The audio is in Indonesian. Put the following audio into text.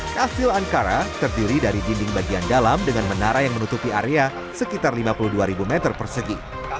kastil ankara terdiri dari dinding bagian dalam dengan menara yang menutupi area sekitar lima puluh dua meter persegi